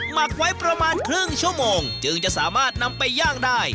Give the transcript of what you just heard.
หมักไว้ประมาณครึ่งชั่วโมงจึงจะสามารถนำไปย่างได้